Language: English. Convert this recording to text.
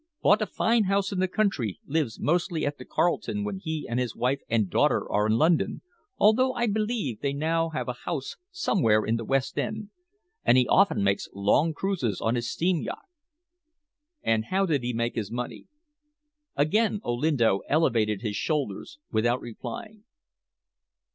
"Bought a fine house in the country; lives mostly at the Carlton when he and his wife and daughter are in London although I believe they now have a house somewhere in the West End and he often makes long cruises on his steam yacht." "And how did he make his money?" Again Olinto elevated his shoulders, without replying.